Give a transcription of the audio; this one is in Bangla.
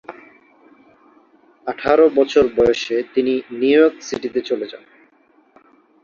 আঠারো বছর বয়সে তিনি নিউ ইয়র্ক সিটিতে চলে যান।